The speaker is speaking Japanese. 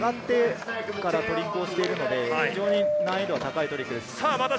あの細いところを上がってからトリックをしているので、非常に難易度が高いトリックです。